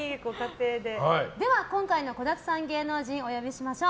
では、今回の子だくさん芸能人をお呼びしましょう。